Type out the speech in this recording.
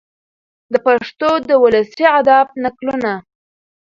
د پښتو د ولسي ادب نکلونه،